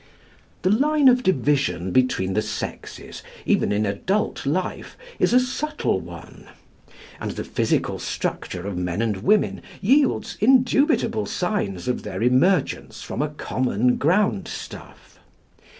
The line of division between the sexes, even in adult life, is a subtle one; and the physical structure of men and women yields indubitable signs of their emergence from a common ground stuff.